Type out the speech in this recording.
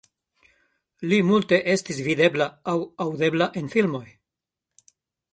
Li multe estis videbla aŭ aŭdebla en filmoj.